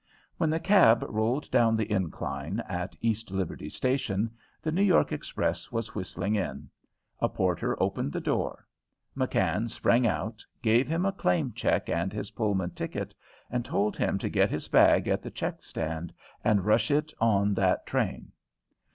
When the cab rolled down the incline at East Liberty station, the New York express was whistling in. A porter opened the door. McKann sprang out, gave him a claim check and his Pullman ticket, and told him to get his bag at the check stand and rush it on that train.